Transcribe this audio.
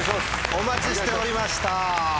お待ちしておりました。